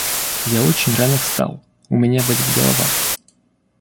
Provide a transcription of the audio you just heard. Я очень рано встал, у меня болит голова.